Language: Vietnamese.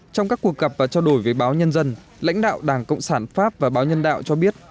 trong các cuộc gặp và trao đổi với báo nhân dân lãnh đạo đảng cộng sản pháp và báo nhân đạo cho biết